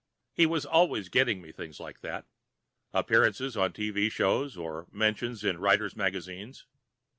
He was always getting me things like that appearances on TV shows, or mentions in writers' magazines.